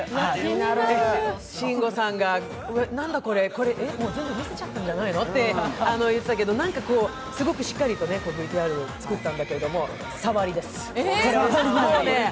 慎吾さんが、なんだこれ、全部見せちゃったんじゃないのって言ってたんだけど、何かすごくしっかりとＶＴＲを作ったけど触りです、全然。